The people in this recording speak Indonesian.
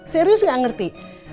serius gak ngerti